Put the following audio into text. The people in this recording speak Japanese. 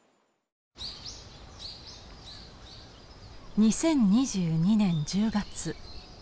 ２０２２年１０月。